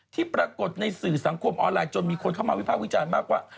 ที่ปรากฏในสื่อสังคมออนไลน์จนมีคนเข้ามาวิภาควิจารณ์มากว่า